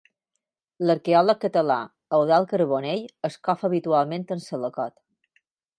L'arqueòleg català Eudald Carbonell es cofa habitualment amb salacot.